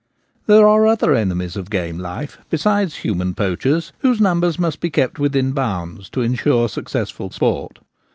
There are other enemies of game life besides human poachers whose numbers must be kept within bounds to ensure successful sport.